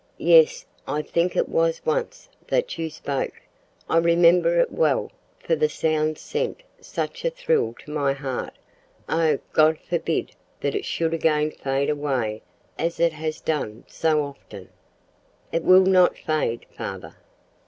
Yes, I think it was once, that you spoke. I remember it well, for the sound sent such a thrill to my heart. Oh! God forbid that it should again fade away as it has done so often!" "It will not fade, father.